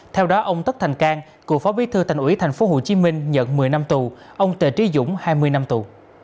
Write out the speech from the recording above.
theo đó ông tất thành cang cựu phó bí thư thành ủy tp hcm nhận một mươi năm tù ông tề trí dũng hai mươi năm tù